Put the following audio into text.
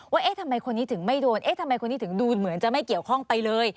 เอ๊ะทำไมคนนี้ถึงไม่โดนเอ๊ะทำไมคนนี้ถึงดูเหมือนจะไม่เกี่ยวข้องไปเลย